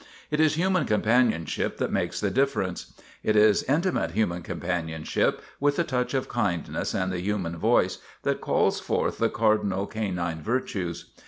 It is human companionship that makes the differ ence. It is intimate human companionship with the touch of kindness and the human voice that calls forth the cardinal canine virtues.